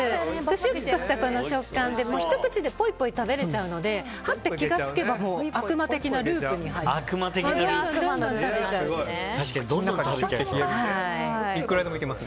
シュッとした食感で、ひと口でポイポイ食べれちゃうのでハッて気が付けば悪魔的なループに入るんです。